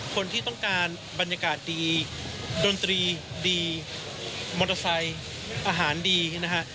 คนที่ต้องการบรรยากาศดีดนตรีดีมอเตอร์ไซค์อาหารดีนะฮะ